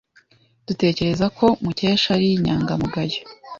Dutekereza ko Mukesha ari inyangamugayo.